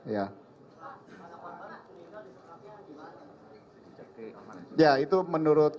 ya itu menurut